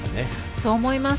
そう思います。